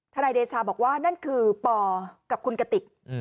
นายเดชาบอกว่านั่นคือปกับคุณกติก